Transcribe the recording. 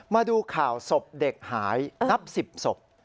มาดูข่าวศพเด็กหายนับ๑๐ศพ